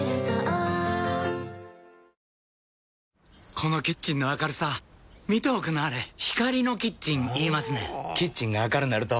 このキッチンの明るさ見ておくんなはれ光のキッチン言いますねんほぉキッチンが明るなると・・・